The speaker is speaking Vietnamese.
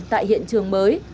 tại hiện trường mới